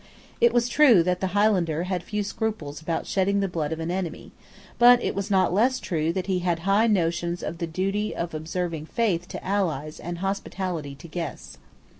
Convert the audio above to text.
It was true that the Highlander had few scruples about shedding the blood of an enemy: but it was not less true that he had high notions of the duty of observing faith to allies and hospitality to guests.